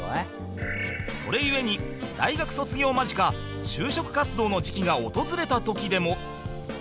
それ故に大学卒業間近就職活動の時期が訪れた時でも